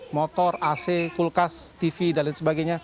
motor ac kulkas tv dan lain sebagainya